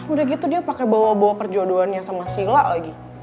udah gitu dia pakai bawa bawa perjodohannya sama sila lagi